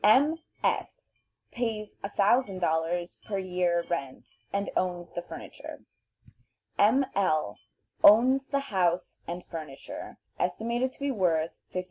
M. S. pays $1000 per year rent, and owns the furniture. M. L. owns the house and furniture, estimated to be worth $15,000.